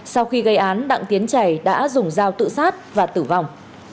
sau khi gây án đặng tiến chảy đã dùng dao tự sát và tử vong